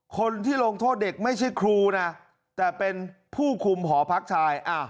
คนที่ลงโทษเด็กไม่ใช่ครูนะแต่เป็นผู้คุมหอพักชาย